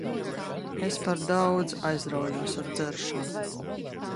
Es par daudz aizraujos ar dzeršanu.